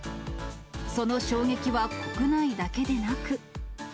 その衝撃は国内だけでなく。